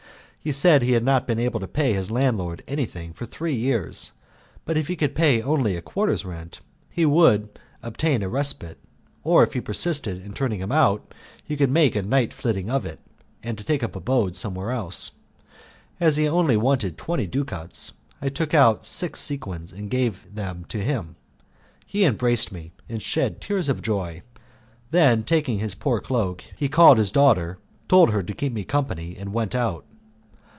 He said that he had not been able to pay his landlord anything for three years, but if he could pay only a quarter's rent, he would obtain a respite, or if he persisted in turning him out, he could make a night flitting of it, and take up his abode somewhere else. As he only wanted twenty ducats, I took out six sequins and gave them to him. He embraced me, and shed tears of joy; then, taking his poor cloak, he called his daughter, told her to keep me company, and went out.